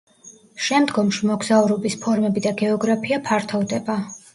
შემდგომში მოგზაურობის ფორმები და გეოგრაფია ფართოვდება.